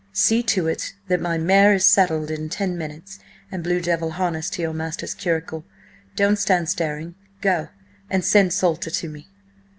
"See to it that my mare is saddled in ten minutes and Blue Devil harnessed to your master's curricle! Don't stand staring–go! And send Salter to me!"